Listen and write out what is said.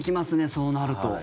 そうなると。